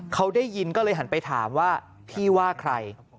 เขาได้ยินก็เลยหันไปถามว่าพี่ว่าใคร